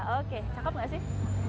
oke cakep nggak sih